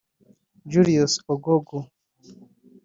Julius Ogogoh